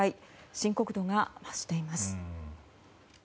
深刻度が増しています。